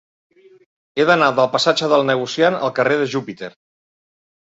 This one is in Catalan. He d'anar del passatge del Negociant al carrer de Júpiter.